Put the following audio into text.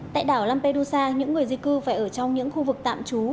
tại đảo lampedusa những người di cư phải ở trong những khu vực tạm trú